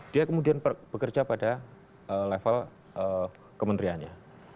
dia kemudian bekerja pada level kementeriannya